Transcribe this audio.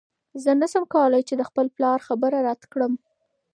زه نشم کولی چې د خپل پلار خبره رد کړم.